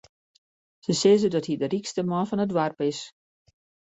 Se sizze dat hy de rykste man fan it doarp is.